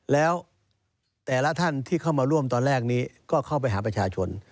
แล้วแต่ละท่านที่เข้ามาร่วมตอนแรกนี้ก็เข้าไปหาประชาชน